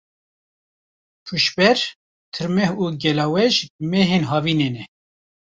Pûşber, Tîrmeh û Gelawêj mehên havînê ne.